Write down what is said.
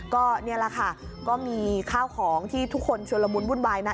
ก็นี่แหละค่ะก็มีข้าวของที่ทุกคนชวนละมุนวุ่นวายนะ